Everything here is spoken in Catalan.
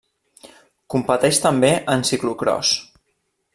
Competeix també en ciclocròs.